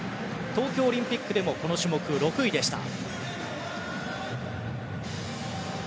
東京オリンピックでもこの種目６位でした。